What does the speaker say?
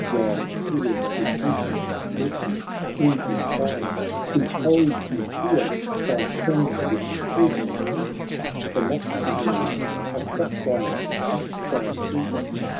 While tears repentant glisten in his eyes) ,' Behold me here, thy friendship to en treat, Themistocles, a suppliant at thy feet.